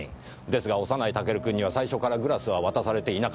ですが幼いタケル君には最初からグラスは渡されていなかった。